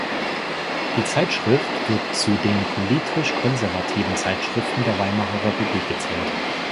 Die Zeitschrift wird zu den politisch konservativen Zeitschriften der Weimarer Republik gezählt.